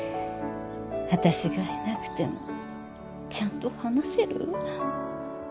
私がいなくてもちゃんと話せる？